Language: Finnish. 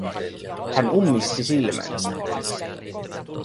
Hän ummisti silmänsä.